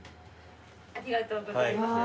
ありがとうございます。